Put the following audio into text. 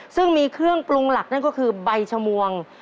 ซึ่งมีเครื่องปรุงหลักนั่นก็คือใบชมวง